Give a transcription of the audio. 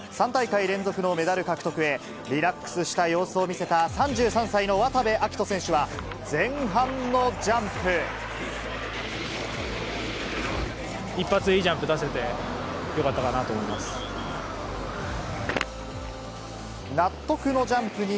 ３大会連続のメダル獲得へ、リラックスした様子を見せた、３３歳の渡部暁斗選手は、前半のジャンプ。